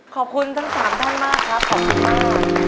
ขอบคุณทั้ง๓ท่านมากครับขอบคุณมาก